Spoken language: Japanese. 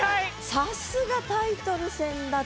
さすがタイトル戦だと。